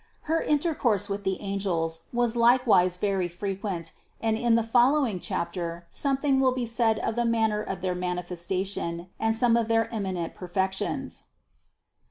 Her intercourse with the angels was likewise very frequent and in the following chapter something will be said of the manner of their manifestation and of some of their emi nent perfections.